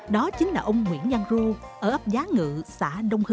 đó chính là ông nguyễn giang ru ở ấp giá ngự xã đông hưng